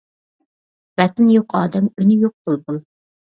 ۋەتىنى يوق ئادەم ئۈنى يوق بۇلبۇل!